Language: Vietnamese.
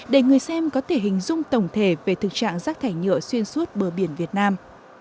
để người xem có thể hình dung tổng thể về thực trạng rác thải nhựa xuyên suốt bờ biển việt nam